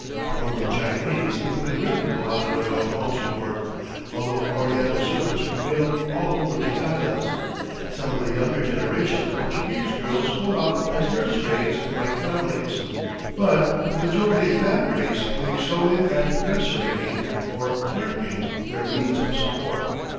Among the Chinese the women rarely go out of their own homes to work, although Oriental servants prevail all over these Islands. Some of the younger generation of Portuguese girls go out as nursemaids in white families, but the majority of that race make sewing and dressmaking or "clerking" their means of support.